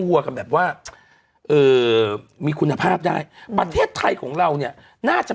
วัวกันแบบว่าเอ่อมีคุณภาพได้ประเทศไทยของเราเนี่ยน่าจะ